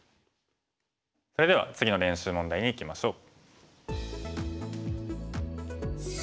それでは次の練習問題にいきましょう。